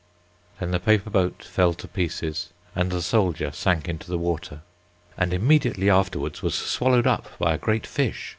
Then the paper boat fell to pieces, and the soldier sank into the water and immediately afterwards was swallowed up by a great fish.